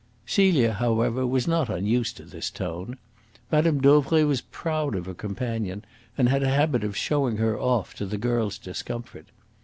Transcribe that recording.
Celia, however, was not unused to this tone. Mme. Dauvray was proud of her companion, and had a habit of showing her off, to the girl's discomfort.